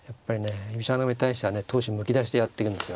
居飛車穴熊に対してはね闘志むき出しでやっていくんですよ。